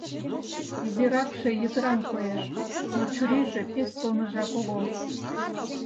Изиракше йытыран коеш, но чурийже пеш сылныжак огыл.